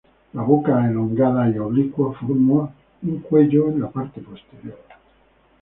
La boca elongada y oblicua, forma un cuello en la parte posterior.